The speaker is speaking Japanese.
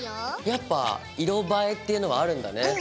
やっぱ色映えっていうのはあるんだね。